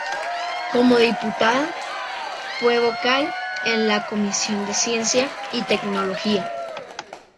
Como diputada fue vocal en la comisión de Ciencia y Tecnología.